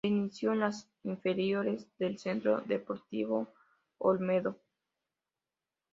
Se inició en las inferiores del Centro Deportivo Olmedo.